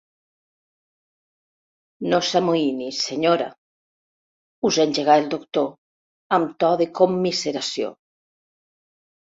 No s'amoïni, senyora –us engegà el doctor, amb to de commiseració–.